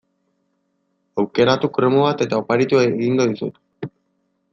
Aukeratu kromo bat eta oparitu egingo dizut.